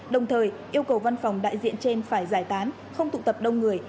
đồng thời yêu cầu văn phòng đại diện trên phải giải tán không tụ tập đông người